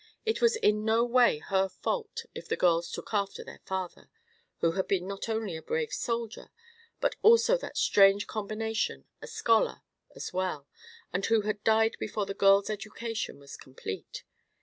It was in no way her fault if the girls took after their father, who had been not only a brave soldier, but also that strange combination, a scholar, as well, and who had died before the girls' education was complete.